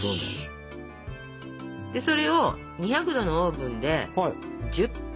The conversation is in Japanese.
それを２００℃のオーブンで１０分！